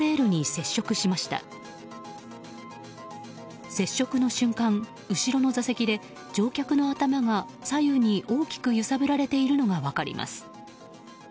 接触の瞬間、後ろの座席で乗客の頭が左右に大きく揺さぶられているのが分かります。